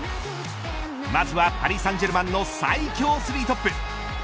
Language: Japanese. まずはパリ・サンジェルマンの最強３トップ。